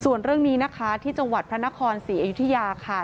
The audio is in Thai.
ส่วนเรื่องนี้นะคะที่จังหวัดพระนครศรีอยุธยาค่ะ